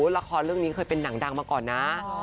ละครเรื่องนี้เคยเป็นหนังดังมาก่อนนะ